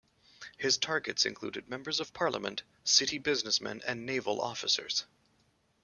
His targets included members of parliament, city businessmen and naval officers.